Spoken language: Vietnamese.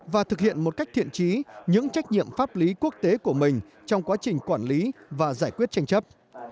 và thực hiện một cách thiện trí những trách nhiệm pháp lý quốc tế của mình trong quá trình quản lý và giải quyết tranh chấp